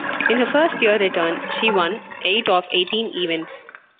In her first-year return, she won eight of eighteen events.